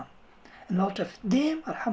mereka menjadi muslim